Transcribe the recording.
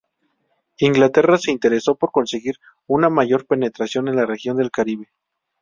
Inglaterra se interesó por conseguir una mayor penetración en la región del Caribe.